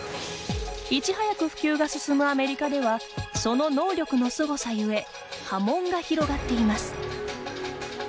いち早く普及が進むアメリカではその能力のすごさゆえ波紋が広がっています。